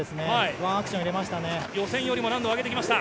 ワンアクション入れましたね。